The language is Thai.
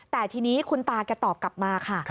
แต่ทีนี้คุณตาแกตอบกลับมาค่ะ